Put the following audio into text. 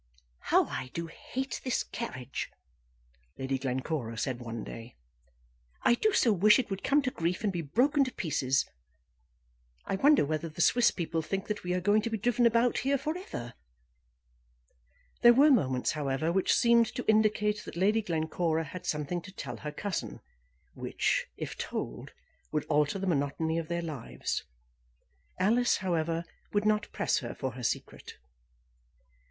"How I do hate this carriage," Lady Glencora said one day. "I do so wish it would come to grief, and be broken to pieces. I wonder whether the Swiss people think that we are going to be driven about here for ever." There were moments, however, which seemed to indicate that Lady Glencora had something to tell her cousin, which, if told, would alter the monotony of their lives. Alice, however, would not press her for her secret.